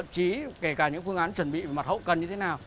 chỉ kể cả những phương án chuẩn bị mặt hậu cần như thế nào